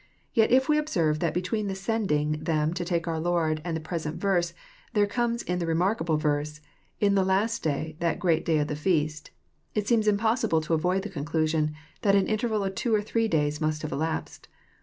Yet if we observe that between the sending them to take oar Lord, and the present verse, there comes in the remarkable verse, '' In the last day, that great day of the feast," it seems impos sible to avoid the conclusion, that an interval of two or three days must have elapsed.